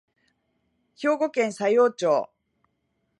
兵庫県佐用町